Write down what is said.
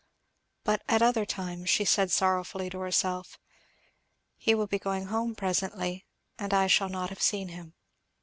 But at other times she said sorrowfully to herself, "He will be going home presently, and I shall not have seen him!"